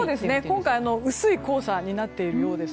今回は薄い黄砂になっているようです。